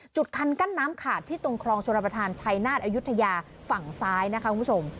คันกั้นน้ำขาดที่ตรงคลองชนประธานชัยนาศอายุทยาฝั่งซ้ายนะคะคุณผู้ชม